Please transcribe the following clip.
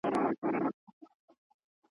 نه سايه کي د حرم..